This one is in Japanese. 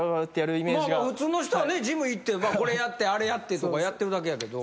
普通の人はねジム行ってこれやってあれやってとかやってるだけやけど。